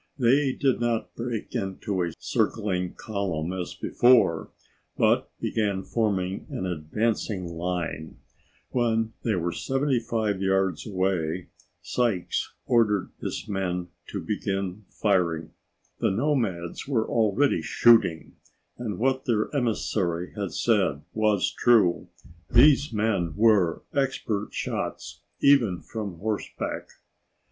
They did not break into a circling column as before, but began forming an advancing line. When they were 75 yards away, Sykes ordered his men to begin firing. The nomads were already shooting, and what their emissary had said was true: these men were expert shots, even from horseback.